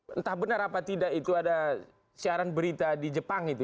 entah benar apa tidak itu ada siaran berita di jepang itu